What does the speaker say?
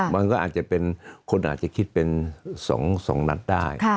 มันก็อาจจะเป็นคนอาจจะคิดเป็น๒นัดได้